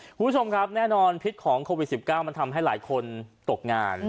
คุณผู้ชมครับแน่นอนพิษของโควิด๑๙มันทำให้หลายคนตกงาน